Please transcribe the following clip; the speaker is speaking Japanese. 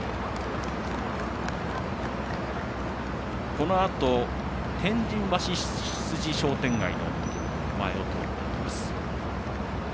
このあと、天神橋筋商店街の前を通っていきます。